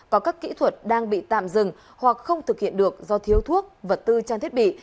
có các kỹ thuật đang bị tạm dừng hoặc không thực hiện được do thiếu thuốc vật tư trang thiết bị